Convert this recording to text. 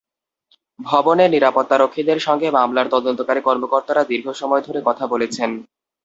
ভবনের নিরাপত্তারক্ষীদের সঙ্গে মামলার তদন্তকারী কর্মকর্তারা দীর্ঘ সময় ধরে কথা বলেছেন।